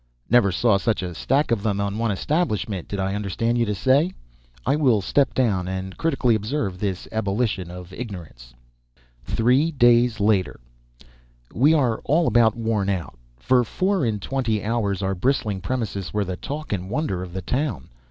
Never saw 'such a stack of them on one establishment,' did I understand you to say? I will step down and critically observe this popular ebullition of ignorance."] THREE DAYS LATER. We are all about worn out. For four and twenty hours our bristling premises were the talk and wonder of the town.